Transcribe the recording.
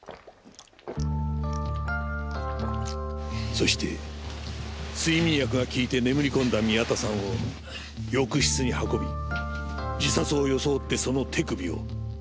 そして睡眠薬が効いて眠り込んだ宮田さんを浴室に運び自殺を装ってその手首をカミソリで切った。